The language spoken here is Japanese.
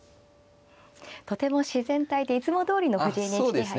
とても自然体でいつもどおりの藤井ＮＨＫ杯でしたね。